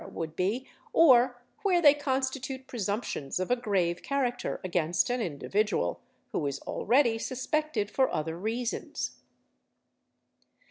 would be, or where they constitute presumptions of a grave charac ter against an individual who is already suspected for other reasons.